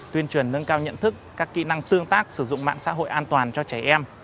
tuyên truyền nâng cao nhận thức các kỹ năng tương tác sử dụng mạng xã hội an toàn cho trẻ em